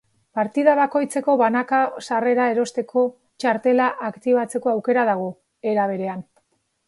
Partida bakoitzeko banako sarrera erosteko txartela aktibatzeko aukera dago, era berean.